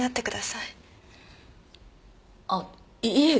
あっいいえ。